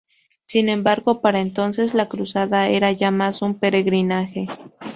Sin embargo para entonces la cruzada era ya más un peregrinaje.